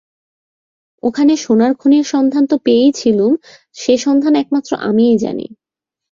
ওখানে সোনার খনির সন্ধান তো পেয়েইছিলুম, সে সন্ধান একমাত্র আমিই জানি।